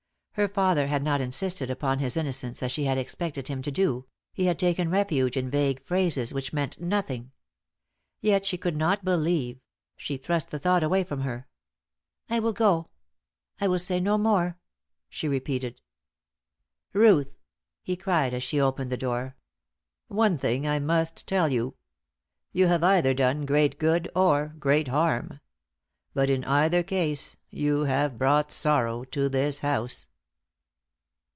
Her father had not insisted upon his innocence as she had expected him to do; he had taken refuge in vague phrases which meant nothing. Yet she could not believe she thrust the thought away from her. "I will go. I will say no more," she repeated. "Ruth," he cried as she opened the door, "one thing I must tell you. You have either done great good or great harm. But, in either case, you have brought sorrow to this house."